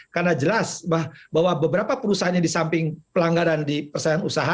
karena jelas bahwa beberapa perusahaan yang disamping pelanggaran di persaingan usaha